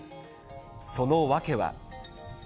その訳は。